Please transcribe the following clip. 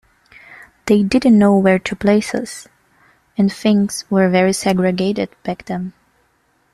They didn't know where to place us and things were very segregated back then.